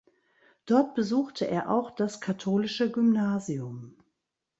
Dort besuchte er auch das katholische Gymnasium.